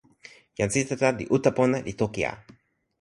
jan Sitata li uta pona, li toki a.